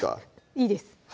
いいです